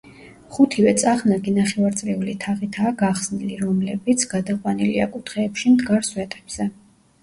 ხუთივე წახნაგი ნახევარწრიული თაღითაა გახსნილი, რომლებიც გადაყვანილია კუთხეებში მდგარ სვეტებზე.